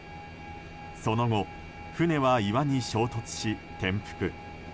その後、船は岩に衝突し転覆。